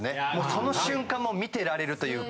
その瞬間も見てられるというか。